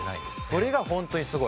それがホントにすごい！